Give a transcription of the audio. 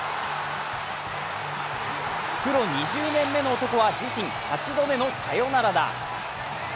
プロ２０年目の男は自身８度目のサヨナラ打。